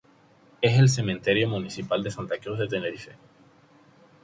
Es el cementerio municipal de Santa Cruz de Tenerife.